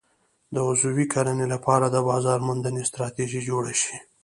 د عضوي کرنې لپاره د بازار موندنې ستراتیژي جوړه شي.